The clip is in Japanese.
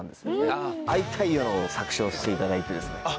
『会いたいよ』の作詞をしていただいてですね。